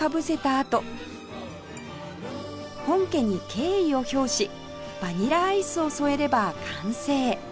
あと本家に敬意を表しバニラアイスを添えれば完成